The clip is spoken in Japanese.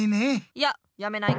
いややめない。